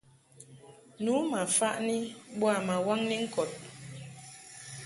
Nu ma faʼni boa ma waŋni ŋkɔd.